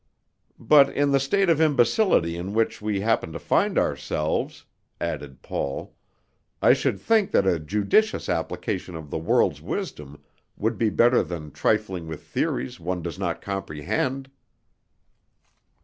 "But in the state of imbecility in which we happen to find ourselves," added Paul, "I should think that a judicious application of the world's wisdom would be better than trifling with theories one does not comprehend."